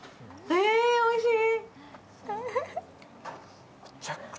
えおいしい！